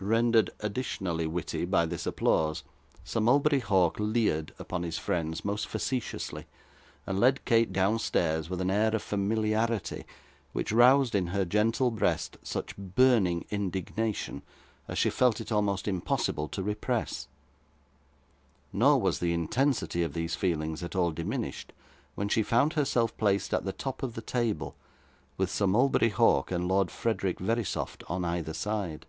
Rendered additionally witty by this applause, Sir Mulberry Hawk leered upon his friends most facetiously, and led Kate downstairs with an air of familiarity, which roused in her gentle breast such burning indignation, as she felt it almost impossible to repress. Nor was the intensity of these feelings at all diminished, when she found herself placed at the top of the table, with Sir Mulberry Hawk and Lord Frederick Verisopht on either side.